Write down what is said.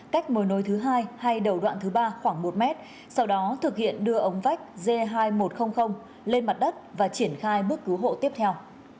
cách mồi nối thứ hai hay đầu đoạn thứ ba khoảng một mét sau đó thực hiện đưa ống vách g hai nghìn một trăm linh lên mặt đất và triển khai bước cứu hộ tiếp theo